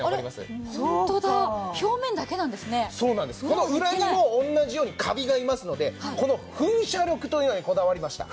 この裏にも同じようにカビがいますのでこの噴射力というのにこだわりました。